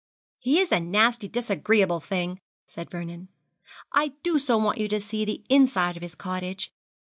'He is a nasty disagreeable thing,' said Vernon. 'I did so want you to see the inside of his cottage.